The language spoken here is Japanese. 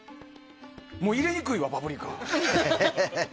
入れにくいわ、パプリカ。